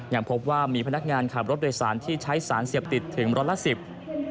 อยากพบว่ามีพนักงานขับรถโดยสารที่ใช้สารเสียบติดถึง๑๐๐ลิ้นละ๑๐